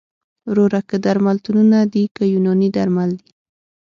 وروره که درملتونونه دي که یوناني درمل دي